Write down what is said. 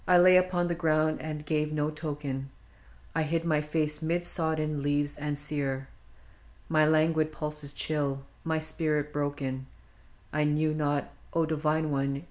1 lay upon the ground and gave no token, I hid my face mid sodden leaves and sere, My languid pulses chill, my spirit broken, — I knew not, O divine one